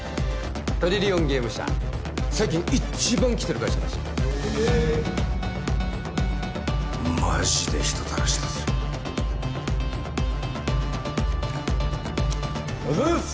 トリリオンゲーム社最近一番きてる会社らしい・へマジで人たらしだぜあざっす！